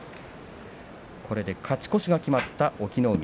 これで勝ち越しが決まった隠岐の海。